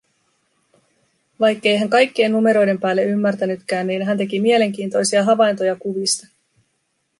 Vaikkei hän kaikkien numeroiden päälle ymmärtänytkään, niin hän teki mielenkiintoisia havaintoja kuvista.